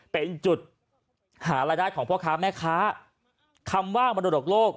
เป็นจุดหารายได้ของพ่อค้าแม่ค้าคำว่ามรดกโลก